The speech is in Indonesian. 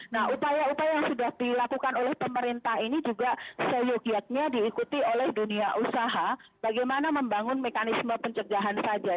nah upaya upaya yang sudah dilakukan oleh pemerintah ini juga seyogiatnya diikuti oleh dunia usaha bagaimana membangun mekanisme pencegahan saja